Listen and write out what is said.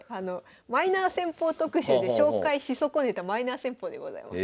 マイナー戦法特集で紹介し損ねたマイナー戦法でございます。